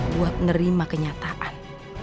buat nerima kenyataan